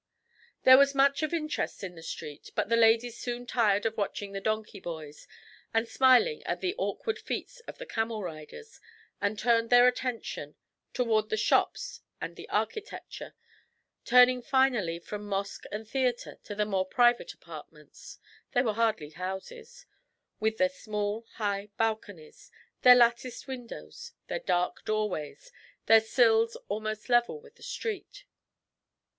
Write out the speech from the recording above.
There was much of interest in the street, but the ladies soon tired of watching the donkey boys and smiling at the awkward feats of the camel riders, and turned their attention toward the shops and the architecture; turning finally from mosque and theatre to the more private apartments they were hardly houses with their small, high balconies, their latticed windows, their dark doorways, their sills almost level with the street.